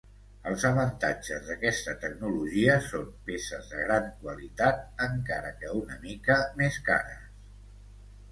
Els avantatges d'aquesta tecnologia són peces de gran qualitat, encara que una mica més cares.